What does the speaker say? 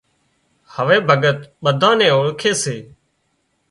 هوَي ڀڳت ٻڌانئي نين اوۯکي سي